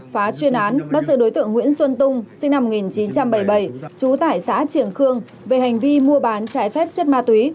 phá chuyên án bắt giữ đối tượng nguyễn xuân tung sinh năm một nghìn chín trăm bảy mươi bảy trú tại xã triềng khương về hành vi mua bán trái phép chất ma túy